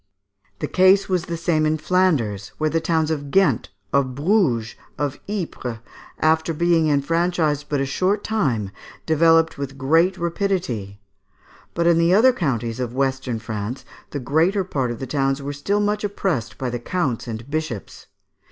The case was the same in Flanders, where the towns of Ghent (Fig. 36), of Bruges, of Ypres, after being enfranchised but a short time developed with great rapidity. But in the other counties of western France, the greater part of the towns were still much oppressed by the counts and bishops.